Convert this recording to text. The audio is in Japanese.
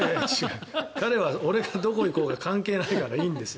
彼は俺がどこに行こうか関係ないからいいんです。